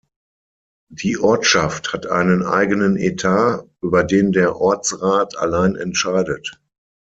Die Ortschaft hat einen eigenen Etat, über den der Ortsrat allein entscheidet.